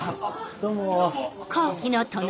どうも。